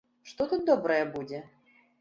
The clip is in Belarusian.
Што тут добрае будзе?